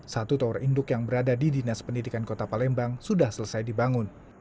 satu tower induk yang berada di dinas pendidikan kota palembang sudah selesai dibangun